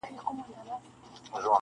بیا به هم لمبه د شمعي له سر خېژي,